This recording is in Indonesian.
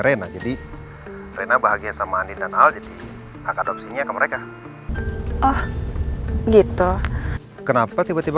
rena jadi rena bahagia sama andi dan al jadi akan opsinya ke mereka gitu kenapa tiba tiba